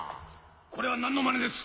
これは何のまねです？